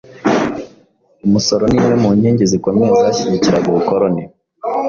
Umusoro ni imwe mu nkingi zikomeye zashyi gikiraga ubukoloni.